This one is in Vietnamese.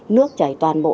nước chảy toàn bộ